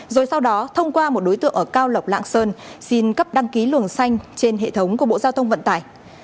rồi sau đó thông qua một đối tượng ở cao lộc lạng sơn xin cấp đăng ký luồng xanh trên hệ thống của bộ giao thông vận tải